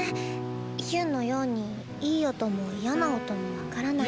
ヒュンのようにいい音も嫌な音も分からない。